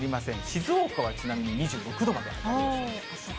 静岡はちなみに２６度まで上がる予想です。